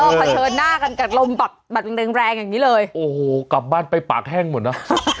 เผชิญหน้ากันกับลมบักแรงแรงอย่างนี้เลยโอ้โหกลับบ้านไปปากแห้งหมดนะ